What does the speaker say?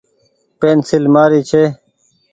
پينسيل مآري ڇي۔